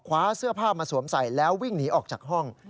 คว้าเสื้อผ้ามาสวมใส่แล้ววิ่งหนีออกจากห้อง